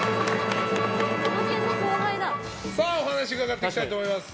お話を伺っていきたいと思います。